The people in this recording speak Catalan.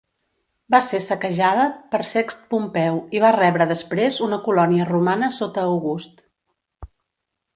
Va ser saquejada per Sext Pompeu i va rebre després una colònia romana sota August.